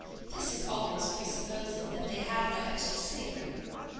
This is always presupposing that they have no extra sitting room.